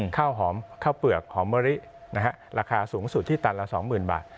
ข้าวหอมข้าวเปลือกหอมมะลิราคาสูงสุดที่ตันละ๒๐๐๐บาท